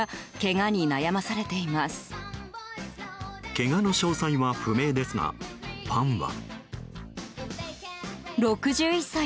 けがの詳細は不明ですがファンは。